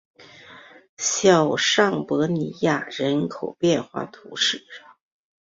小尚帕尼亚人口变化图示